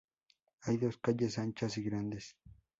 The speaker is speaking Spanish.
Hay dos calles anchas y grandes.